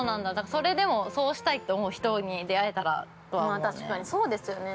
それでも、そうしたいって思う人に出会えたらとは思うね。